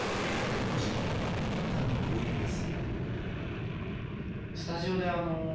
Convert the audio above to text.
独自の歌のグルーブです。